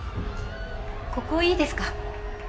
ここいいですか？